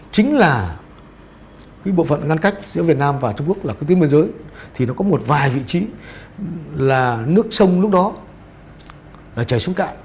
chính là cái bộ phận ngăn cách giữa việt nam và trung quốc là cái tuyến biên giới thì nó có một vài vị trí là nước sông lúc đó là chảy xuống cạn